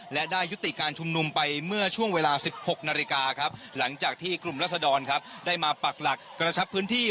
และได้ยุติการชุมนุมไปเมื่อช่วงเวลา๑๖นาฬิกาครับหลังจากที่กลุ่มรัศดรครับได้มาปักหลักกระชับพื้นที่